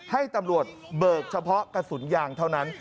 ให้ตำรวจเบิกเฉพาะกระสุนยางเท่านั้น